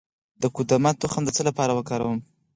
د قدومه تخم د څه لپاره وکاروم؟